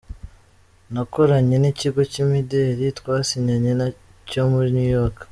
Nakoranye n’ikigo cy’imideli twasinyanye cyo muri New York.